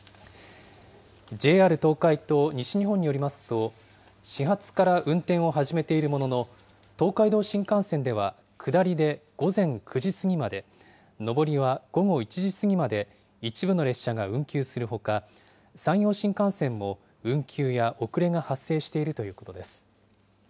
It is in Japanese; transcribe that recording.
ＪＲ東海と西日本によりますと、始発から運転を始めているものの、東海道新幹線では、下りで午前９時過ぎまで、上りは午後１時過ぎまで、一部の列車が運休するほか、山陽新幹線も運休や遅れが発生しているということです。